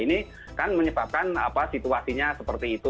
ini kan menyebabkan situasinya seperti itu